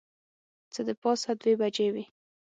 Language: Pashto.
څه د پاسه دوې بجې وې.